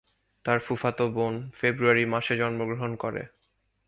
তার ফুফাতো বোন ফেব্রুয়ারি মাসে জন্মগ্রহণ করে।